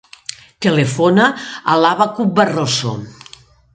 Telefona al Abacuc Barroso.